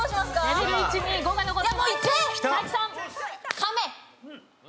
カメ！